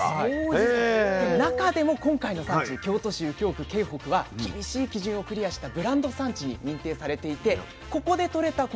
中でも今回の産地京都市右京区京北は厳しい基準をクリアしたブランド産地に認定されていてここでとれたこ